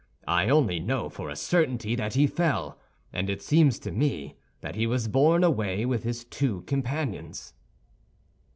I only know for a certainty that he fell; and it seemed to me that he was borne away with his two companions."